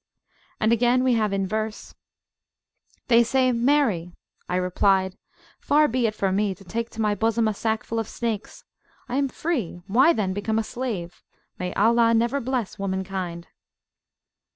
And again we have in verse: They said marry! I replied, far be it from me To take to my bosom a sackful of snakes. I am freewhy then become a slave? May Allah never bless womankind!